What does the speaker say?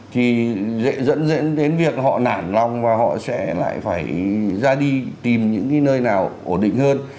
thì dễ dẫn đến việc họ nản lòng và họ sẽ lại phải ra đi tìm những cái nơi nào ổn định hơn